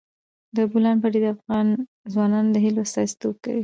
د بولان پټي د افغان ځوانانو د هیلو استازیتوب کوي.